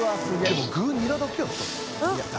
でも具ニラだけやった。